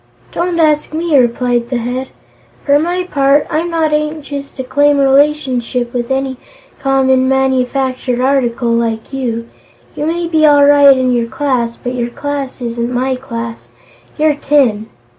"Don't ask me," replied the Head. "For my part, I'm not anxious to claim relationship with any common, manufactured article, like you. You may be all right in your class, but your class isn't my class. You're tin."